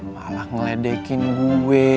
malah ngeledekin gue